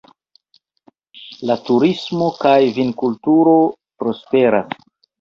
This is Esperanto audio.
La turismo kaj vinkulturo prosperas.